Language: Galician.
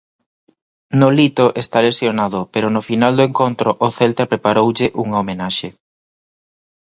Nolito está lesionado pero no final do encontro o Celta preparoulle unha homenaxe.